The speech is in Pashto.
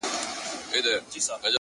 زه مي د ميني په نيت وركړمه زړه،